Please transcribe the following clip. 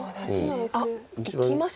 あっいきましたね。